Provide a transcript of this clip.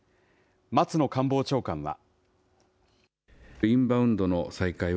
松野官房長官は。